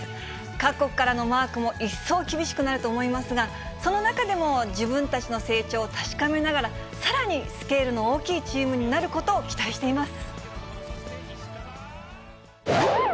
各国からのマークも一層厳しくなると思いますが、その中でも自分たちの成長を確かめながら、さらにスケールの大きいチームになることを期待しています。